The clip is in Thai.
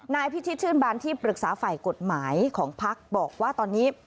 นายพิชิตชื่นบานที่ปรึกษาฝ่ายกฎหมายของพักบอกว่าตอนนี้